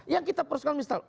yang kita perusahaan misal